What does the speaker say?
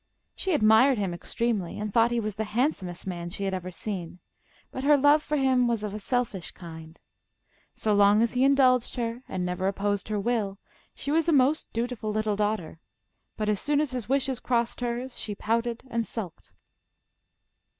She admired him extremely, and thought he was the handsomest man she had ever seen, but her love for him was of a selfish kind. So long as he indulged her and never opposed her will, she was a most dutiful little daughter, but as soon as his wishes crossed hers she pouted and sulked.